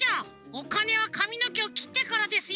おかねはかみのけをきってからですよ。